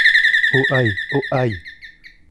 Oh ! aïe ! oh ! aïe !